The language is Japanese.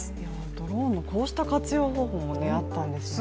ドローンのこうした活用方法もあったんですね。